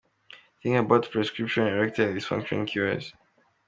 Thinking about Prescription Erectile Dysfunction Cures.